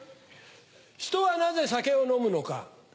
人はなぜ酒を飲むのか？